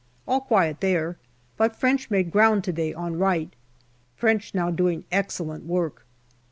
All quiet there, but French made ground to day on right. French now doing excellent work.